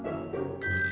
ya ya gak